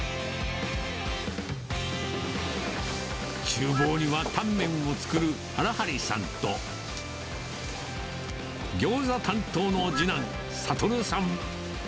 ちゅう房には、タンメンを作る荒張さんと、ギョーザ担当の次男、悟さん。